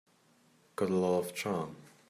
Got a lot of charm.